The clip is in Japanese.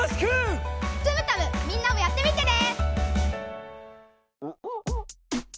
トゥムタムみんなもやってみてね！